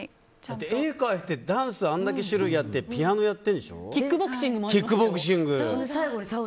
絵を描いてダンスあれだけ種類やってピアノやってるんでしょキックボクシング。